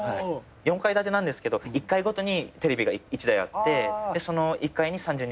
４階建てなんですけど１階ごとにテレビが１台あってその１階に３０人ぐらいいるんで。